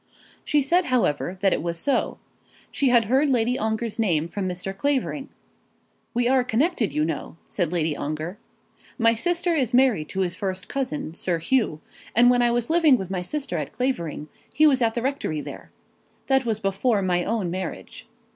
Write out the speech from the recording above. She said, however, that it was so. She had heard Lady Ongar's name from Mr. Clavering. "We are connected, you know," said Lady Ongar. "My sister is married to his first cousin, Sir Hugh; and when I was living with my sister at Clavering, he was at the rectory there. That was before my own marriage."